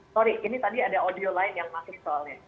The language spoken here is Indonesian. sorry ini tadi ada audio lain yang masuk soalnya